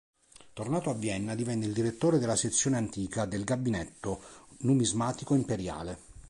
Tornato a Vienna divenne il direttore della sezione antica del Gabinetto numismatico imperiale.